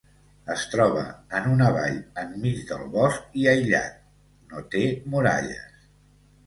Es troba en una vall, en mig del bosc i aïllat, no té muralles.